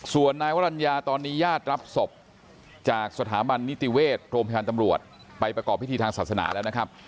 ส่วนนายวรรณญาตอนนี้ญาติรับศพจากสถาบันนิติเวชโรงพยาบาลตำรวจไปประกอบพิธีทางศาสนาแล้วนะครับ